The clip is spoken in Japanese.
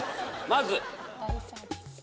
まず。